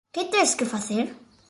Que tes que facer?